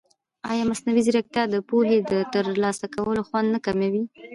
ایا مصنوعي ځیرکتیا د پوهې د ترلاسه کولو خوند نه کموي؟